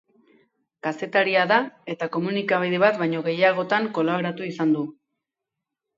Kazetaria da eta komunikabide bat baino gehiagotankolaboratu izan du.